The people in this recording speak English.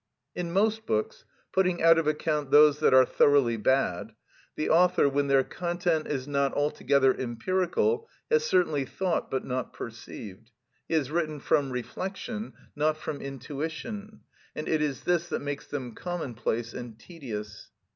In most books, putting out of account those that are thoroughly bad, the author, when their content is not altogether empirical, has certainly thought but not perceived; he has written from reflection, not from intuition, and it is this that makes them commonplace and tedious.